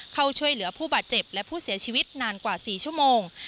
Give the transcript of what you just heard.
เข้าช่วยเหลือผู้บาดเจ็บและผู้เสียชีวิตนานกว่า๔ชั่วโมง